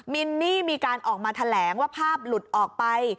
มินนี่มีการออกมาแถลงว่าภาพหลุดออกไป